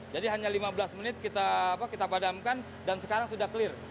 jadi hanya lima belas menit kita padamkan dan sekarang sudah clear